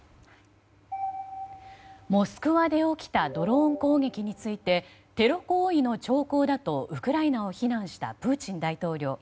モスクワで起きたドローン攻撃についてテロ行為の兆候だとウクライナを非難したプーチン大統領。